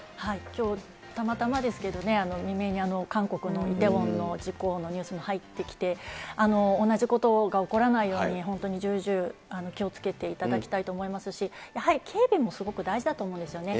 きょうたまたまですけどね、未明に韓国のイテウォンの事故のニュースも入ってきて、同じことが起こらないように、本当に重々気をつけていただきたいと思いますし、やはり警備もすごく大事だと思うんですよね。